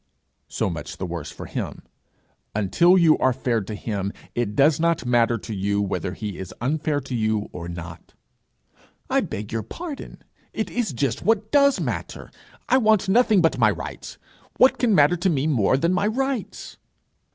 'So much the worse for him. Until you are fair to him, it does not matter to you whether he is unfair to you or not.' 'I beg your pardon it is just what does matter! I want nothing but my rights. What can matter to me more than my rights?'